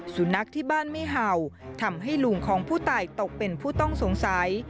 สุนัขที่บ้านไม่เห่าทำให้ลุงของผู้ตายตกเป็นผู้ต้องสงสัย